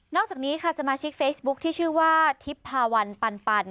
อกจากนี้ค่ะสมาชิกเฟซบุ๊คที่ชื่อว่าทิพพาวันปัน